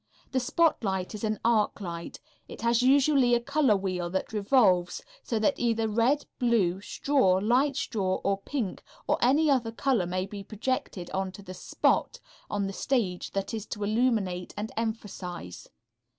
The spotlight is an arc light. It has usually a color wheel that revolves so that either red, blue, straw, light straw, or pink or any other color may be projected onto the "spot" on the stage that it is to illuminate and emphasize.